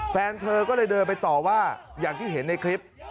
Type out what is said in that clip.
แฟนเธอก็เลยเดินไปต่อว่าอย่างที่เห็นในคลิป